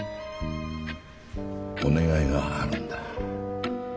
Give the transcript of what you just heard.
お願いがあるんだ。